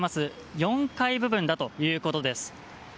４階部分だということです。